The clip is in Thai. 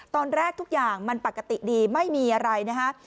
ตอนแรกทุกอย่างมันปกติดีไม่มีอะไรนะฮะ